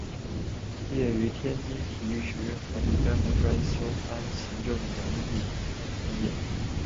毕业于天津体育学院管理干部专修班行政管理专业。